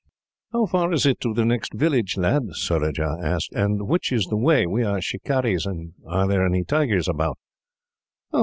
"How far is it to the next village, lad?" Surajah asked; "and which is the way? We are shikarees. Are there any tigers about?"